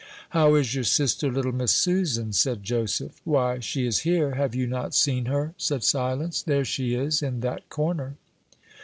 "How is your sister, little Miss Susan?" said Joseph. "Why, she is here have you not seen her?" said Silence; "there she is, in that corner."